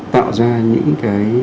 tạo ra những cái